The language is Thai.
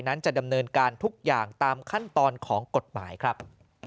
นั้นจะดำเนินการทุกอย่างตามขั้นตอนของกฎหมายครับ